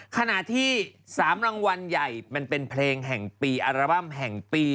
ขณะที่๓รางวัลใหญ่มันเป็นเพลงแห่งปีอัลบั้มแห่งปี